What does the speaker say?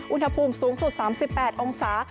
อุณหภูมิสูงสุด๓๘องศา